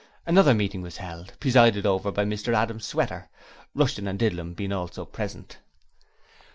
Another meeting was held, presided over by Mr Adam Sweater Rushton and Didlum also being present.